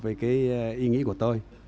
với cái ý nghĩ của tôi